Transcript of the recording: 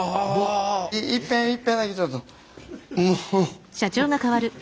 いっぺんいっぺんだけちょっと。